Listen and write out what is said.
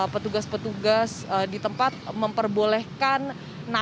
petugas petugas di tempat memperbolehkan nakes atau pekerja esensial